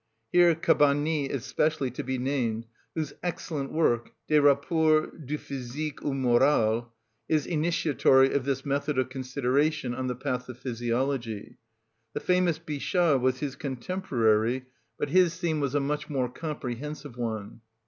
Here Cabanis is specially to be named, whose excellent work, "Des rapports du physique au moral," is initiatory of this method of consideration on the path of physiology. The famous Bichat was his contemporary, but his theme was a much more comprehensive one.